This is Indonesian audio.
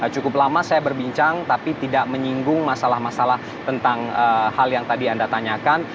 cukup lama saya berbincang tapi tidak menyinggung masalah masalah tentang hal yang tadi anda tanyakan